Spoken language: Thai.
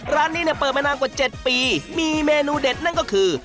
ร้านนี้เนี่ยเปิดมานานกว่า๗ปีมีเมนูเด็ดนั่นก็คือ